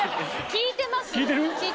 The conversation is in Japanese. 聞いてます。